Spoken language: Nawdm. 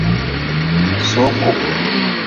Sooku.